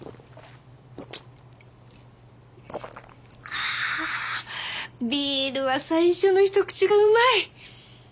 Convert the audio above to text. ああビールは最初の一口がうまい！